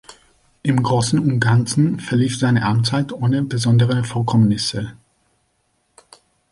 Im Großen und Ganzen verlief seine Amtszeit ohne besondere Vorkommnisse.